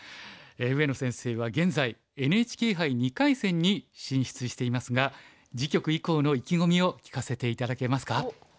上野先生は現在ＮＨＫ杯２回戦に進出していますが次局以降の意気込みを聞かせて頂けますか？